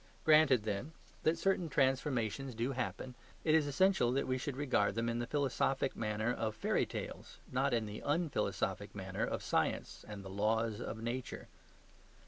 Granted, then, that certain transformations do happen, it is essential that we should regard them in the philosophic manner of fairy tales, not in the unphilosophic manner of science and the "Laws of Nature."